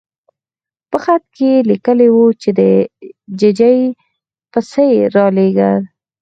په خط کې لیکلي وو چې د ججې پیسې رالېږه.